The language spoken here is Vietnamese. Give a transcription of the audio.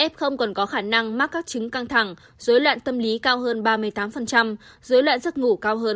f còn có khả năng mắc các chứng căng thẳng dối loạn tâm lý cao hơn ba mươi tám dối loạn giấc ngủ cao hơn bốn mươi một